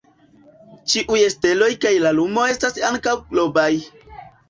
Ĉiuj steloj kaj la luno estas ankaŭ globoj.